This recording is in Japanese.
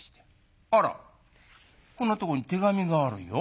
「あらこんなとこに手紙があるよ。